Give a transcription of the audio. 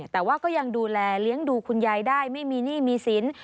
แต่ว่าก็ยังดูแลเลี้ยงดูคุณยายได้ไม่มีหนี้มีสิน